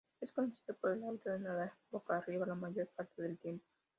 Es conocido por el hábito de nadar boca arriba la mayor parte del tiempo.